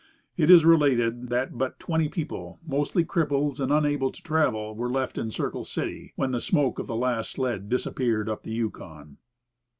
It is related that but twenty people, mostly cripples and unable to travel, were left in Circle City when the smoke of the last sled disappeared up the Yukon.